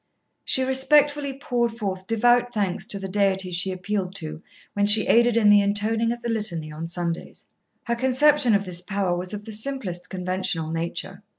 She respectfully poured forth devout thanks to the Deity she appealed to when she aided in the intoning of the Litany on Sundays. Her conception of this Power was of the simplest conventional nature.